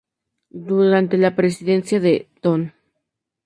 Durante la presidencia de Dn.